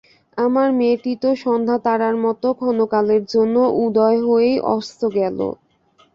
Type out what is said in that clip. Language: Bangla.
আমার মেয়েটি তো সন্ধ্যাতারার মতো ক্ষণকালের জন্যে উদয় হয়েই অস্ত গেল।